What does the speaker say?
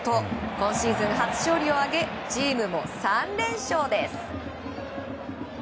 今シーズン初勝利を挙げチームも３連勝です。